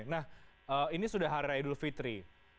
nah ini sudah hari raya idul fitri